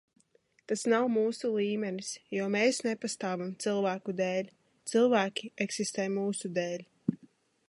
Tas nav mūsu līmenis, jo mēs nepastāvam cilvēku dēļ. Cilvēki eksistē mūsu dēļ.